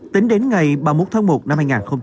tính đến ngày ba mươi một tháng một năm hai nghìn hai mươi